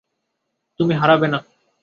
তুমি হারাবে না।